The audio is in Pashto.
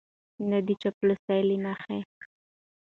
نه د چاپلوسۍ له مخې